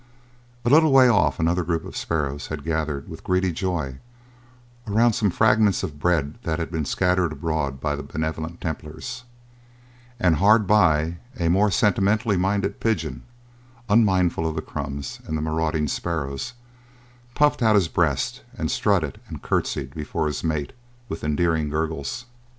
A little way off another group of sparrows had gathered with greedy joy around some fragments of bread that had been scattered abroad by the benevolent Templars, and hard by a more sentimentally minded pigeon, unmindful of the crumbs and the marauding sparrows, puffed out his breast and strutted and curtsied before his mate with endearing gurgles.